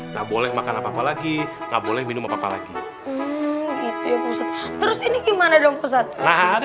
nggak boleh makan apa apa lagi nggak boleh minum apa apa lagi terus ini gimana dong posat nah ada